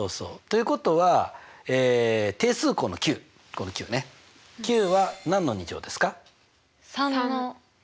ということは定数項の９は何の２乗ですか？